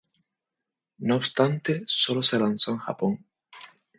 No obstante, solo se lanzó en Japón.